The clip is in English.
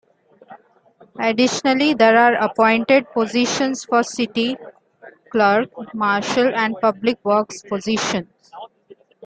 Additionally, there are appointed positions for City Clerk, Marshall, and Public Works positions.